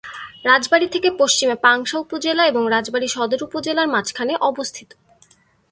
রাজবাড়ী থেকে পশ্চিমে পাংশা উপজেলা এবং রাজবাড়ী সদর উপজেলার মাঝখানে অবস্থিত।